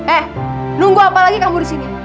eh nunggu apa lagi kamu di sini